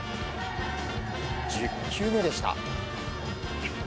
１０球目でした。